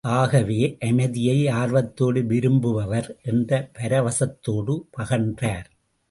ஆகவே, அமைதியை, ஆர்வத்தோடு விரும்புவர் என்று பரவசத்தோடு பகன்றார்.